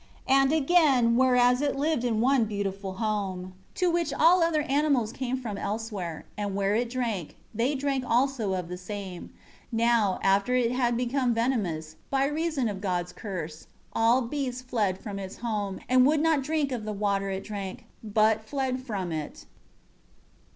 6 And, again, whereas it lived in one beautiful home, to which all other animals came from elsewhere; and where it drank, they drank also of the same; now, after it had become venomous, by reason of God's curse, all beasts fled from its home, and would not drink of the water it drank; but fled from it.